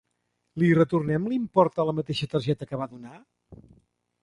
Li retornem l'import a la mateixa targeta que va donar?